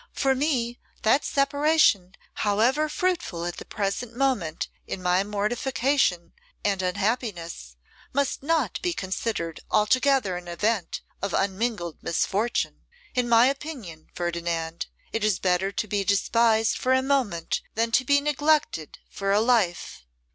For me, that separation, however fruitful at the present moment in mortification and unhappiness, must not be considered altogether an event of unmingled misfortune. In my opinion, Ferdinand, it is better to be despised for a moment than to be neglected for a life.